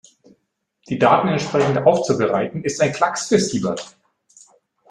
Die Daten entsprechend aufzubereiten, ist ein Klacks für Siebert.